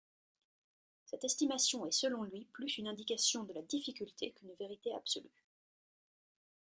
Cette estimation est selon lui, plus une indication de la difficulté, qu'une vérité absolue.